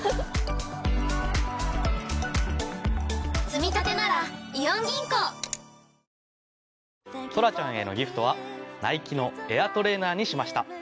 つみたてならイオン銀行！虎ちゃんへのギフトはナイキのエアトレーナーにしました。